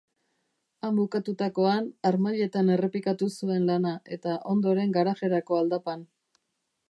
Han bukatutakoan, harmailetan errepikatu zuen lana, eta ondoren garajerako aldapan.